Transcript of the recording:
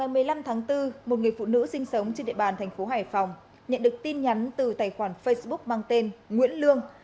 vào ngày một mươi năm tháng bốn một người phụ nữ sinh sống trên địa bàn thành phố hải phòng nhận được tin nhắn từ tài khoản facebook mang tên nguyễn lương